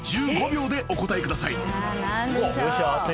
１５秒でお答えください］何でしょう？